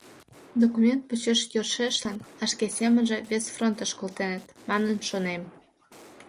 — Документ почеш йӧршешлан, а шке семынемже, вес фронтыш колтеныт, манын шонем.